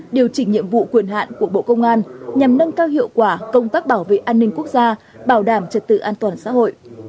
điều chỉnh nhiệm vụ quyền hạn của bộ công an nhằm nâng cao hiệu quả công tác bảo vệ an ninh quốc gia bảo đảm trật tự an toàn xã hội